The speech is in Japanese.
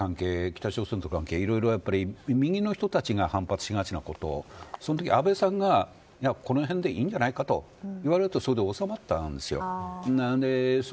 北朝鮮とかの関係も右の人たちが反発しがちなことそのときに安倍さんがこのへんでいいんじゃないかと言われればおさまったんです。